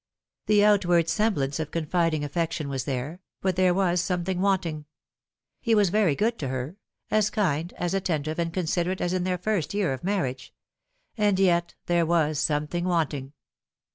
The outward semblance of confiding affection was there, but there was some thing wanting. He was very good to her as kind, as attentive, and considerate as in their first year of marriage ; and yet there was something wanting.